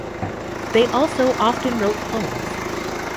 They also often wrote poems.